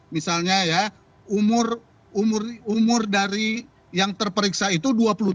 misalnya ya umur dari yang terperiksa itu dua puluh delapan